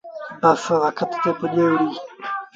بس وکت تي پُڄي وُهڙي۔